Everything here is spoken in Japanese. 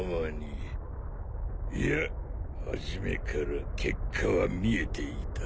いや初めから結果は見えていた。